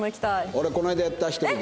俺この間やった１人で。